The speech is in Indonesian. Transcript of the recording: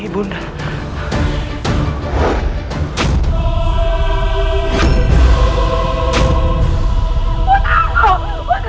putraku bangun ya